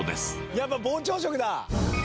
やっぱ膨張色だ！